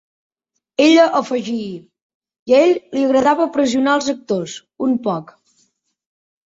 Ella afegí: "A ell li agradava pressionar als actors un poc".